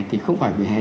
thì không phải vỉa hè